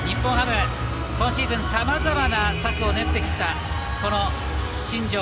日本ハム、今シーズンさまざまな策を練ってきた新庄